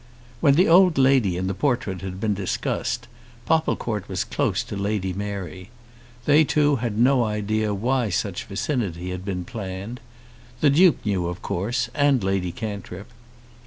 When the old lady in the portrait had been discussed, Popplecourt was close to Lady Mary. They two had no idea why such vicinity had been planned. The Duke knew, of course, and Lady Cantrip.